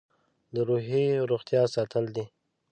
د روحي روغتیا ساتل دي.